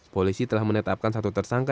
polisi telah menetapkan satu tersangka